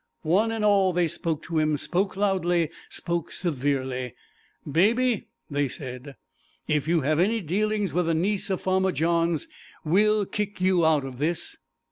One and all they spoke to him, spoke loudly, spoke severely. 'Baby,' they said, 'if you have any dealings with the niece of Farmer Johns we'll kick you out of this.'